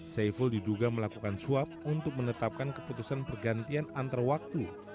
seiful diduga melakukan suap untuk menetapkan keputusan pergantian antarwaktu